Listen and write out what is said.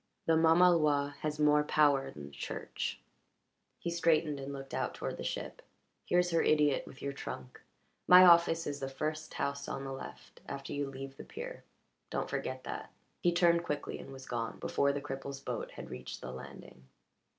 "The mamaloi has more power than the Church." He straightened and looked out toward the ship. "Here's her idiot with your trunk. My office is the first house on the left after you leave the pier. Don't forget that." He turned quickly and was gone before the cripple's boat had reached the landing.